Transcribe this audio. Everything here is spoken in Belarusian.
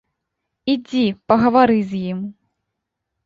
Ідзі, пагавары з ім.